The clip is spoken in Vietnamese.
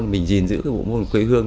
mình gìn giữ cái bộ môn quê hương